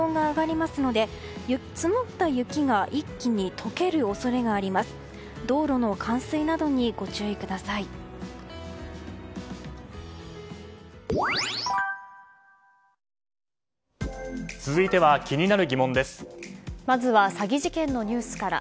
まずは詐欺事件のニュースから。